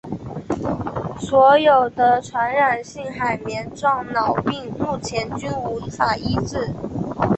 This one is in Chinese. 所有得传染性海绵状脑病目前均无法医治。